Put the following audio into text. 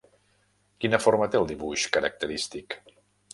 Quina forma té el dibuix característic?